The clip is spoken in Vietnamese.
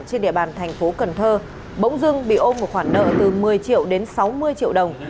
trên địa bàn thành phố cần thơ bỗng dưng bị ôm một khoản nợ từ một mươi triệu đến sáu mươi triệu đồng